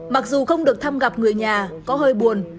mặc dù không được thăm gặp người nhà có hơi buồn